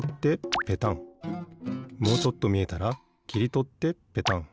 もうちょっとみえたらきりとってペタン。